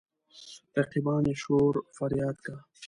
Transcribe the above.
رقیبان يې شور فرياد کا.